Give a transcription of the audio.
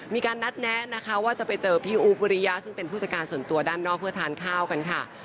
มีการนัดแนะนะคะว่าจะไปเจอพี่อุ๊บวิริยะซึ่งเป็นผู้จัดการส่วนตัวด้านนอกเพื่อทานข้าวกันค่ะ